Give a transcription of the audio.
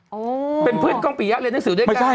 โอ้โหเป็นเพื่อนกล้องปียะเรียนหนังสือด้วยกัน